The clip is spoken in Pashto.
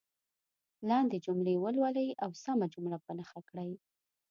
لاندې جملې ولولئ او سمه جمله په نښه کړئ.